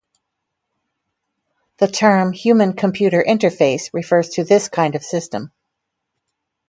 The term "human-computer interface" refers to this kind of system.